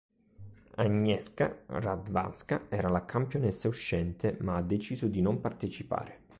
Agnieszka Radwańska era la campionessa uscente, ma ha deciso di non partecipare.